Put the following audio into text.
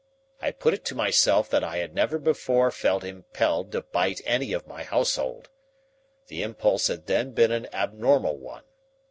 I put it to myself that I had never before felt impelled to bite any of my household. The impulse had then been an abnormal one.